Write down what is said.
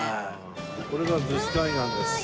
これが逗子海岸です。